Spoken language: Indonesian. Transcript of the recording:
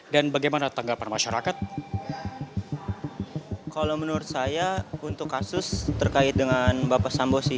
dan bagaimana tanggapan masyarakat kalau menurut saya untuk kasus terkait dengan bapak sambosi